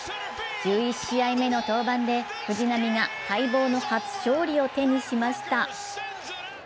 １１試合目の登板で藤浪が待望の初勝利を手にしました。